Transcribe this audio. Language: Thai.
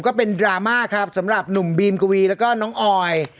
ก็เป็นดราม่าครับสำหรับหนุ่มบีมกวีแล้วก็น้องออย